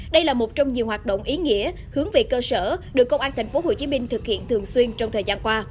đây là một trong nhiều hoạt động ý nghĩa hướng về cơ sở được công an tp hcm thực hiện thường xuyên trong thời gian qua